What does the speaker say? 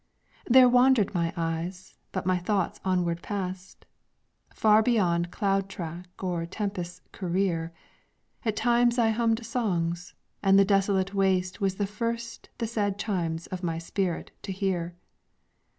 There wandered my eyes, but my thoughts onward passed, Far beyond cloud track or tempest's career; At times I hummed songs, and the desolate waste Was the first the sad chimes of my spirit to hear.